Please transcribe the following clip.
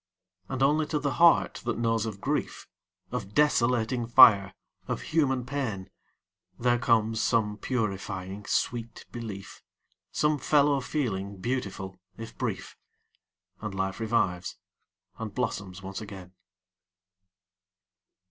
And only to the heart that knows of grief, Of desolating fire, of human pain, There comes some purifying sweet belief, Some fellow feeling beautiful, if brief. And life revives, and blossoms once again.